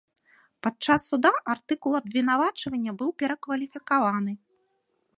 Падчас суда артыкул абвінавачвання быў перакваліфікаваны.